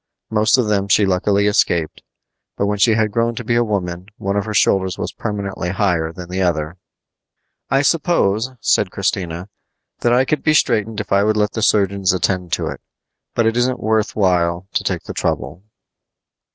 Most of them she luckily escaped; but when she had grown to be a woman one of her shoulders was permanently higher than the other. "I suppose," said Christina, "that I could be straightened if I would let the surgeons attend to it; but it isn't worth while to take the trouble."